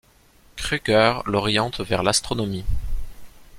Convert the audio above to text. Crüger l'oriente vers l'astronomie.